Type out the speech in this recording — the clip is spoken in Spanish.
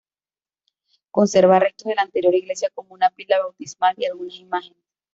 Conserva restos de la anterior iglesia como una pila bautismal y algunas imágenes.